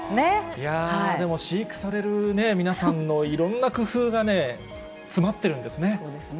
いやー、でも、飼育される皆さんのいろんな工夫がね、詰まってるんですね。